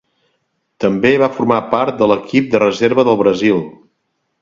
També va formar part de l'equip de reserva del Brasil.